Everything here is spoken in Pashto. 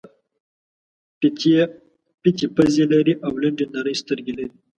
پېتې پزې لري او لنډې نرۍ سترګې لري.